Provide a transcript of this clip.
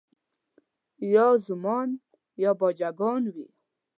یا زومان یا باجه ګان وي